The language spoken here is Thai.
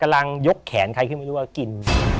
กำลังยกแขนใครที่ไม่รู้กว่ากิน